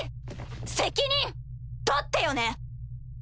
責任取ってよね。